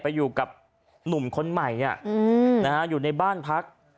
ไปอยู่กับหนุ่มคนใหม่อยู่ในบ้านพัก